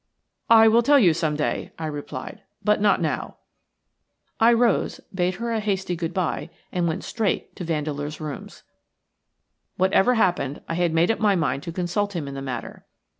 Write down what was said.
"I will tell you some day," I replied, "but not now." I rose, bade her a hasty good bye, and went straight to Vandeleur's rooms. Whatever happened, I had made up my mind to consult him in the matter.